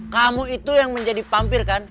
kamu itu yang menjadi pampir kan